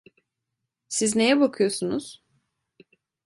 Siz neye bakıyorsunuz?